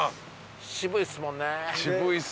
渋いっすもんね。